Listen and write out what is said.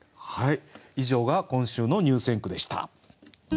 以上が今週の入選句でした。